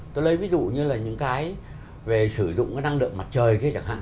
tôi lấy ví dụ như là những cái về sử dụng năng lượng mặt trời kia chẳng hạn